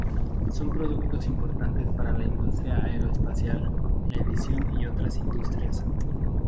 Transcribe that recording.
Son productos importantes para la Industria Aeroespacial, la Edición y otras Industrias.